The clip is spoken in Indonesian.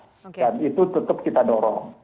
dan itu tetap kita dorong